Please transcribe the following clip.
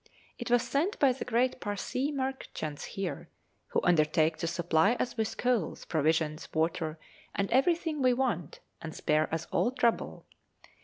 It was sent by the great Parsee merchants here, who undertake to supply us with coals, provisions, water, and everything we want, and spare us all trouble.